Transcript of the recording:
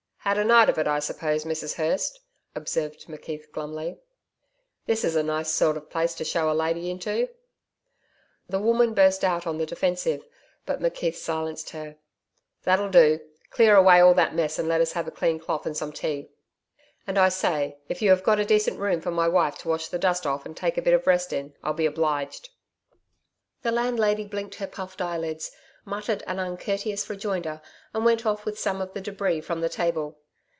'Had a night of it, I suppose, Mrs Hurst?' observed McKeith glumly. 'This is a nice sort of place to show a lady into.' The woman burst out on the defensive, but McKeith silenced her. 'That'll do. Clear away all that mess and let us have a clean cloth and some tea. And I say, if you have got a decent room for my wife to wash the dust off and take a bit of a rest in, I'll be obliged.' The landlady blinked her puffed eyelids, muttered an uncourteous rejoinder and went off with some of the debris from the table.